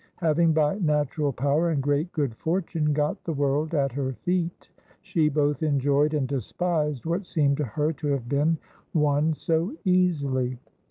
Having, by natural power and great good fortune, got the world at her feet, she both enjoyed and despised what seemed to her to have been won so easily.